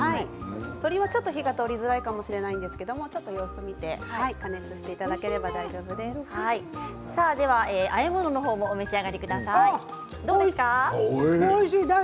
鶏はちょっと火が通りづらいかもしれないですが様子を見て加熱していただければあえ物の方もおいしい。